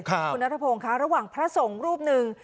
คุณนัทพงศ์ค่ะระหว่างพระสงฆ์รูปหนึ่ง